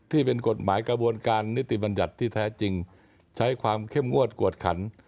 ที่เป็นกฎหมายกระบวนการนิติบัญญัติที่แท้จริงใช้ความเข้มงวดกวดขัน